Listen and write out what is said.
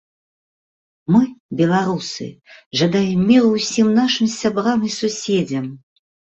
Мы, беларусы, жадаем міру ўсім нашым сябрам і суседзям.